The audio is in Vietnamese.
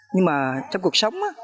nhưng mà trong cuộc sống